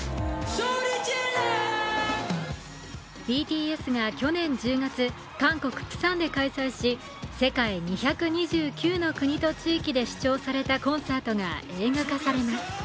ＢＴＳが去年１０月、韓国プサンで開催し、世界２２９の国と地域で視聴されたコンサートが映画化されます。